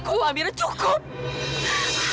cukup amira cukup